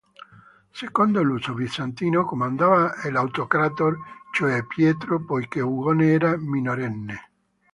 Secondo l'uso bizantino comandava l"'autocrator" cioè Pietro, poiché Ugone era minorenne.